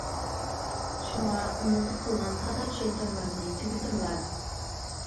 شۇڭا، ئۇنىڭغا قىلغان خاتا چۈشەنچەڭلارنى تۈگىتىڭلار.